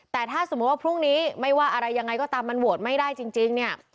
แต่ถ้าสมมุติว่าพรุ่งนี้ไม่ว่าอะไรยังไงก็ตามมันโหวตไม่ได้จริงเนี่ย